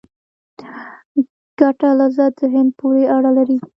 ګټه لذت ذهن پورې اړه لري.